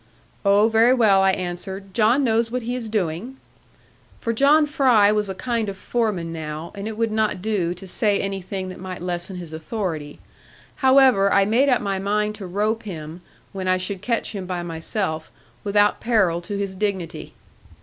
'Oh, very well,' I answered, 'John knows what he is doing.' For John Fry was a kind of foreman now, and it would not do to say anything that might lessen his authority. However, I made up my mind to rope him, when I should catch him by himself, without peril to his dignity.